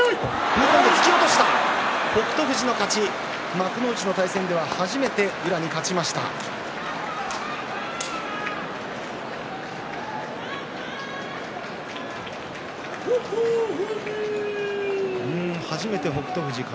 幕内の対戦では初めて宇良に勝った北勝富士です。